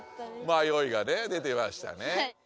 まよいがね出てましたね。